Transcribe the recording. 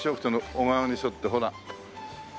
小川に沿ってほら。